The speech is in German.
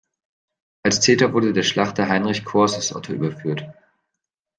Als Täter wurde der Schlachter Heinrich Cohrs aus Otter überführt.